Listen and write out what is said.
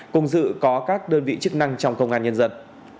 cùng dự có các đơn vị chức năng trong công an nhân dân